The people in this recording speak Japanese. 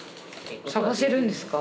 探せるんですか？